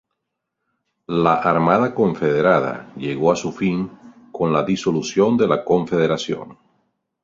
La Armada Confederada llegó a su fin con la disolución de la confederación.